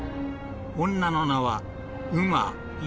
［女の名は］